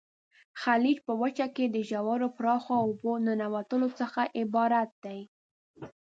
خلیج په وچه کې د ژورو پراخو اوبو ننوتلو څخه عبارت دی.